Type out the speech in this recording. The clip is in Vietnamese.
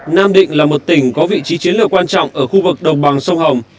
nam định là một tỉnh có vị trí chiến lược quan trọng ở khu vực đồng bằng sông hồng